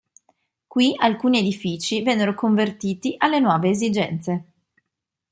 Qui alcuni edifici vennero “convertiti” alle nuove esigenze.